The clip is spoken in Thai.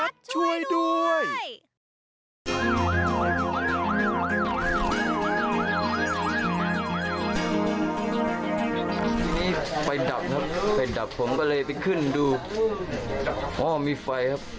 ตอนนี้ไฟดับครับผมก็เลยไปขึ้นดูอ้อมีไฟครับ